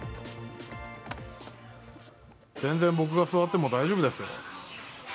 全然、僕が座っても大丈夫です。